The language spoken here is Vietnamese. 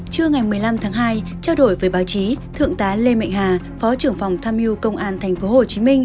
trưa ngày một mươi năm tháng hai trao đổi với báo chí thượng tá lê mạnh hà phó trưởng phòng tham mưu công an tp hcm